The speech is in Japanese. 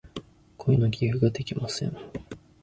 声の寄付ができません。